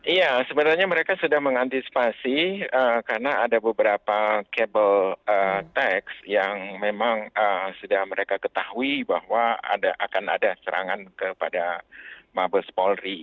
iya sebenarnya mereka sudah mengantisipasi karena ada beberapa kabel teks yang memang sudah mereka ketahui bahwa akan ada serangan kepada mabes polri